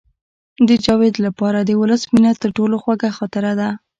د جاوید لپاره د ولس مینه تر ټولو خوږه خاطره ده